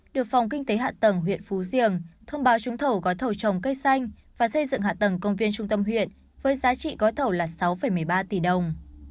được phòng kinh tế hạ tầng huyện phú diềng thông báo trúng thầu gói thầu trồng cây xanh và xây dựng hạ tầng công viên trung tâm huyện với giá trị gói thầu là sáu một mươi ba tỷ đồng